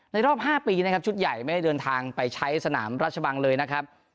รอบ๕ปีนะครับชุดใหญ่ไม่ได้เดินทางไปใช้สนามราชบังเลยนะครับ